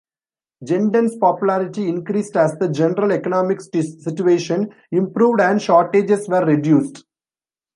Genden's popularity increased as the general economic situation improved and shortages were reduced.